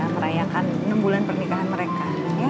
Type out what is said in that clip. merayakan enam bulan pernikahan mereka